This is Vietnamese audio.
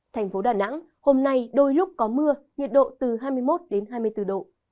thành phố đà nẵng hôm nay đôi lúc có mưa nhiệt độ từ hai mươi một đến hai mươi bốn độ